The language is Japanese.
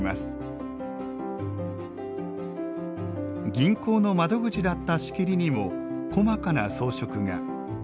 銀行の窓口だった仕切りにも細かな装飾が。